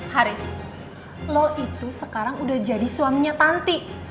haris lo itu sekarang udah jadi suaminya tanti